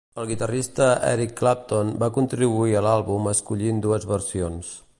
El guitarrista Eric Clapton va contribuir a l'àlbum escollint dues versions.